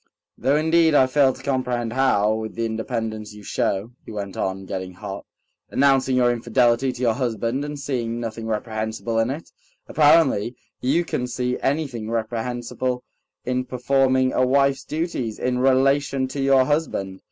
"Though indeed I fail to comprehend how, with the independence you show," he went on, getting hot, "—announcing your infidelity to your husband and seeing nothing reprehensible in it, apparently—you can see anything reprehensible in performing a wife's duties in relation to your husband."